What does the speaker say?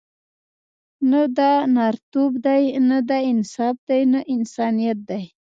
نه دا نرتوب دی، نه دا انصاف دی، نه انسانیت دی.